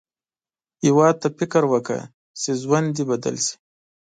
هیواد ته فکر وکړه، چې ژوند دې بدل شي